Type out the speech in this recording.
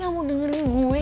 gak mau dengerin gue